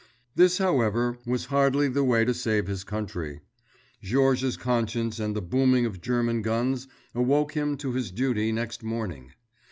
This, however, was hardly the way to save his country. Georges's conscience and the booming of German guns awoke him to his duty next morning.